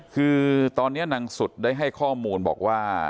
คือตอนนี้นางสุดได้ให้ข้อมูลบอกว่า